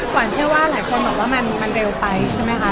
ขวัญเชื่อว่าหลายคนบอกว่ามันเร็วไปใช่ไหมคะ